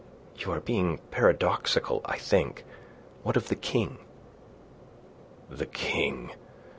"You are being paradoxical, I think. What of the King?" "The King?